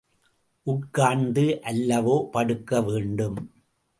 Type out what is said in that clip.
உட்கார்ந்து அல்லவோ படுக்க வேண்டும்?